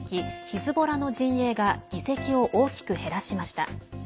ヒズボラの陣営が議席を大きく減らしました。